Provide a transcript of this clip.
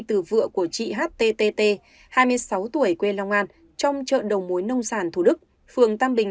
từ vựa của chị httt hai mươi sáu tuổi quê long an trong chợ đồng mối nông sản thủ đức phường tam bình